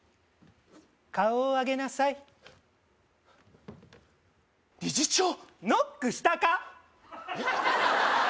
顔を上げなさい理事長ノックしたか？